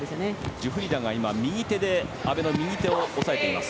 ジュフリダが阿部の右手を押さえています。